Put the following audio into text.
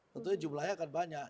tentunya jumlahnya akan banyak